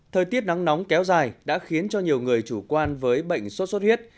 thời tiết nắng nóng kéo dài đã khiến cho nhiều người chủ quan với bệnh sốt xuất huyết